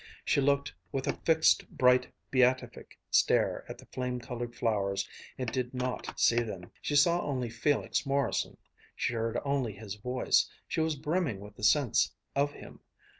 She looked with a fixed, bright, beatific stare at the flame colored flowers and did not see them. She saw only Felix Morrison, she heard only his voice, she was brimming with the sense of him.